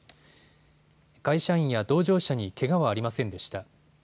会社員や同乗者にけがはありませんでした。